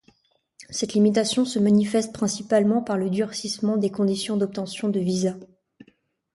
Cette limitation se manifeste principalement par le durcissement des conditions d'obtention de visa.